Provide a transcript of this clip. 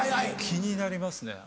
気になりますね。